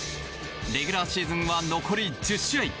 レギュラーシーズンは残り１０試合。